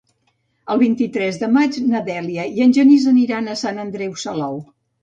El vint-i-tres de maig na Dèlia i en Genís aniran a Sant Andreu Salou.